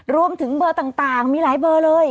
รวมถึงเบอร์ต่างมีหลายเบอร์เลย